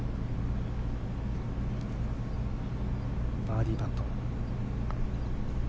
バーディーパット。